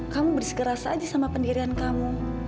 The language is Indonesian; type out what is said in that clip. kamu bersegeras aja sama pendirian kamu